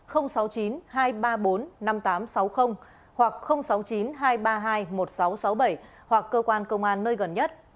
hoặc sáu mươi chín hai trăm ba mươi hai một nghìn sáu trăm sáu mươi bảy hoặc cơ quan công an nơi gần nhất